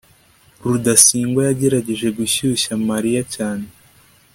rudasingwa yagerageje gushyushya mariya cyane